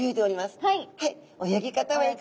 はい。